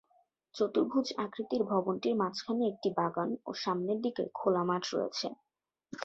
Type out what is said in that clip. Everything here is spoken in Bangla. চতুর্ভুজ আকৃতির ভবনটির মাঝখানে একটি বাগান ও সামনের দিকে খোলা মাঠ রয়েছে।